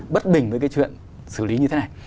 bất bình với cái chuyện xử lý như thế này